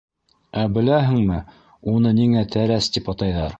Ә беләһеңме, уны ниңә тәрәс тип атайҙар?